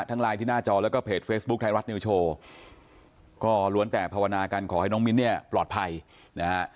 ไลน์ที่หน้าจอแล้วก็เพจเฟซบุ๊คไทยรัฐนิวโชว์ก็ล้วนแต่ภาวนากันขอให้น้องมิ้นเนี่ยปลอดภัยนะฮะ